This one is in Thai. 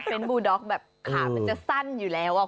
แฟนบูด๊อกแบบขามันก็จะสั้นอยู่แล้วคุณ